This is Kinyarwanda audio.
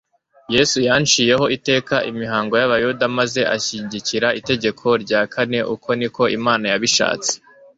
Yesu yacinyeho iteka imihango y'abayuda maze ashyigikira itegeko rya kane uko niko Imana yabishatse.